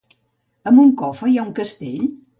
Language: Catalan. A Moncofa hi ha un castell?